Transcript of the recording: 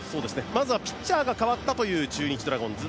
まずはピッチャーが代わったという中日ドラゴンズ。